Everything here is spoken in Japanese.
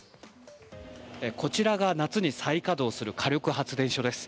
こちらが夏に再稼働する火力発電所です。